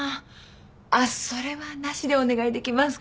あっそれはなしでお願いできますか。